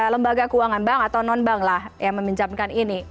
lembaga keuangan bank atau nonbank lah yang meminjamkan ini